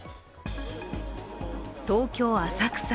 東京・浅草。